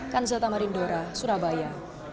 kan zil tamarindora surabaya